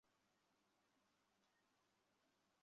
আমি সেই দিনগুলোর কথা কখনোই ভুলতে পারি না, কোনো দিন পারবও না।